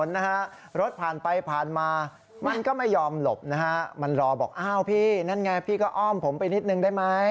นะฮะรถผ่านไปผ่านมามันก็ไม่ยอมหลบนะฮะมันรอบอกอ้าวพี่นั่นไงพี่ก็อ้อมผมไปนิดนึงได้ไหม